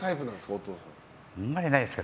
お父さんは。